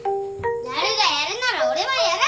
なるがやるなら俺もやる！